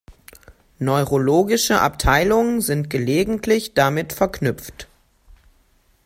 Neurologische Abteilungen sind gelegentlich damit verknüpft.